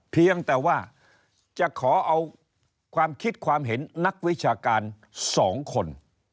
เพียงแต่ว่าจะขอเอาความคิดความเห็นนักวิชาการ๒คน